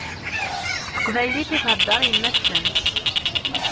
S teqbaylit i theddeṛ yemma-tsent.